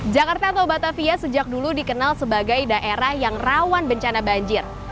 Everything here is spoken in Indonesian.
jakarta atau batavia sejak dulu dikenal sebagai daerah yang rawan bencana banjir